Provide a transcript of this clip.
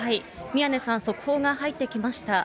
宮根さん、速報が入ってきました。